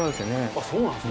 あっそうなんですね。